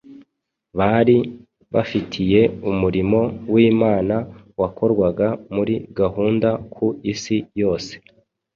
bari bafitiye umurimo w’Imana wakorwaga muri gahunda ku isi yose